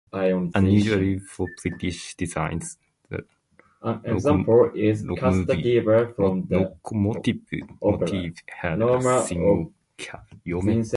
Unusually for British designs, the locomotive had a single cab.